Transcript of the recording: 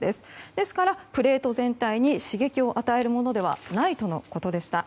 ですから、プレート全体に刺激を与えるものではないとのことでした。